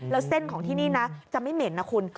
แล้วเส้นของที่นี่นะจะไม่เหม็นนะคุณ